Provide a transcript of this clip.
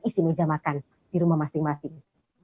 isi meja makan di rumah masing masing